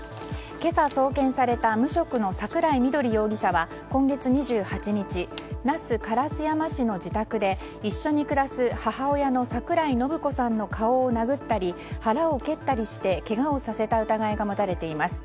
今朝送検された無職の桜井みどり容疑者は今月２８日、那須烏山市の自宅で一緒に暮らす母親の桜井伸子さんの顔を殴ったり腹を蹴ったりしてけがをさせた疑いが持たれています。